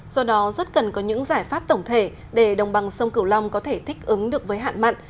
do đó rất cần có những giải pháp tổng thể để đồng bằng sông cửu long có thể thích ứng được với hạn mặn